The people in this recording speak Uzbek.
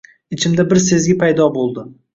Ichimda bir sezgi paydo bo‘ldi